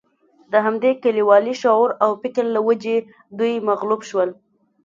د همدې کلیوالي شعور او فکر له وجې دوی مغلوب شول.